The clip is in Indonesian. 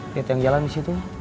liat yang jalan disitu